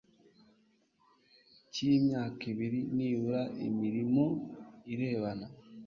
cy imyaka ibiri nibura imirimo irebana